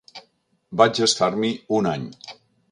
Vaig estar-m’hi un any.